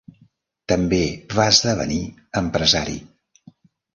També va esdevenir empresari.